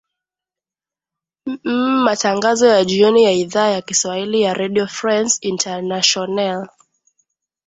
mm matangazo ya jioni ya idhaa ya kiswahili ya redio france internationale